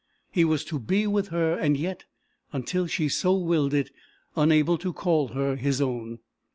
He was to be with her, and yet, until she so willed it, unable to call her his own.